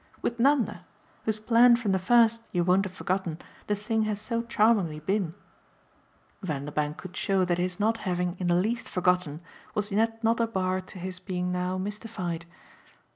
"With Nanda whose plan from the first, you won't have forgotten, the thing has so charmingly been." Vanderbank could show that his not having in the least forgotten was yet not a bar to his being now mystified.